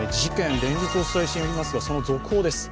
連日お伝えしていますが、その続報です。